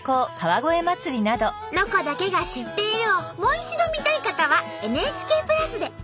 「ロコだけが知っている」をもう一度見たい方はＮＨＫプラスで。